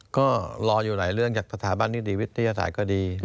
ก็รออยู่หลายเรื่องจากสถาบันนิติวิทยาศาสตร์ก็ดี